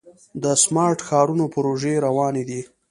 د سمارټ ښارونو پروژې روانې دي.